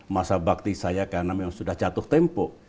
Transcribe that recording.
masa bakti saya karena memang sudah jatuh tempo